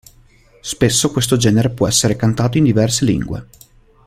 Spesso questo genere può essere cantato in diverse lingue.